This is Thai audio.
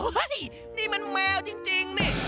เฮ้ยนี่มันแมวจริงนี่